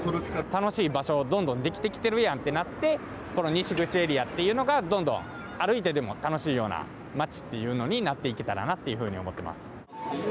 楽しい場所、どんどんできてきてるやんてなってこの西口エリアがどんどん歩いていても楽しいような街っていうのになってきたらいいなっいうふうに思ってます。